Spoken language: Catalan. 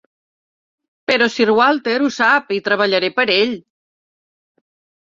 Però Sir Walter ho sap i treballaré per a ell.